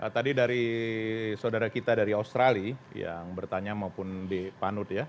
tadi dari saudara kita dari australia yang bertanya maupun di panut ya